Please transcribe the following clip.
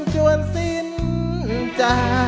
ไม่ใช้ครับไม่ใช้ครับ